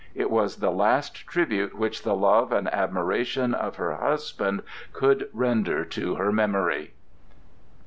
It was the last tribute which the love and admiration of her husband could render to her memory.